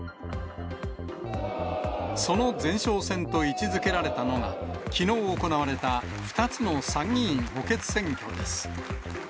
その前哨戦と位置づけられたのが、きのう行われた２つの参議院補欠選挙です。